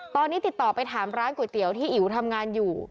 ตอนนี้ติดต่อไปถามร้านก๋วยเตี๋ยวที่อิ๋วทำงานอยู่